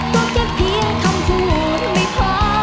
ก็จะเพียงคำพูดก็ไม่พอ